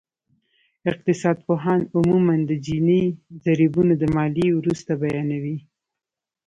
اقتصادپوهان عموماً د جیني ضریبونه د ماليې وروسته بیانوي